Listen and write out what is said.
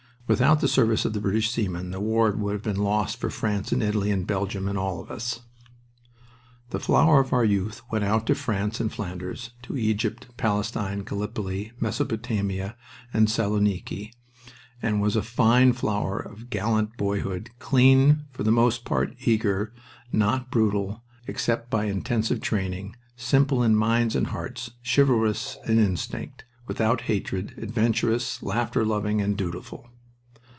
Without the service of the British seamen the war would have been lost for France and Italy and Belgium, and all of us. The flower of our youth went out to France and Flanders, to Egypt, Palestine, Gallipoli, Mesopotamia, and Saloniki, and it was a fine flower of gallant boyhood, clean, for the most part eager, not brutal except by intensive training, simple in minds and hearts, chivalrous in instinct, without hatred, adventurous, laughter loving, and dutiful.